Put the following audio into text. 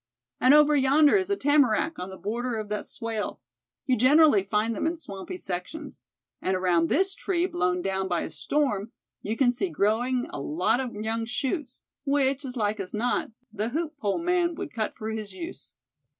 "And over yonder is a tamarack on the border of that swale. You generally find them in swampy sections. And around this tree blown down by a storm, you can see growing a lot of young shoots, which, as like as not, the hoop pole man would cut for his use."